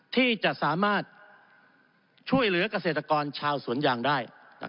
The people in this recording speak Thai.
ที่จะสามารถช่วยเหลือกเกษตรกรชาวสวนยางได้